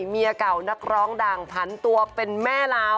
เมียเก่านักร้องดังผันตัวเป็นแม่ลาว